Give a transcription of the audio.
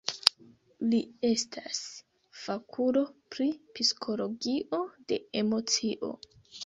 Li estas fakulo pri psikologio de emocio.